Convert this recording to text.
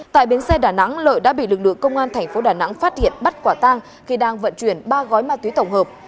tại bến xe đà nẵng lợi đã bị lực lượng công an thành phố đà nẵng phát hiện bắt quả tang khi đang vận chuyển ba gói ma túy tổng hợp